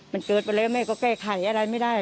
มันเกิดไปแล้วไม่มีแต่อะไรไม่ได้